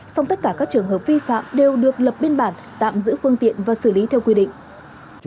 song tất cả các trường hợp vi phạm đều được lập biên bản tạm giữ phương tiện và xử lý theo quy định